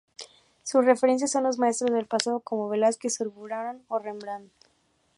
Sus referencias son los maestros del pasado, como Velázquez, Zurbarán o Rembrandt.